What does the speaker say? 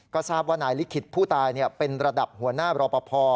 ก็ทราบว่านายลิขิตผู้ตายเป็นระดับหัวหน้ารอปภ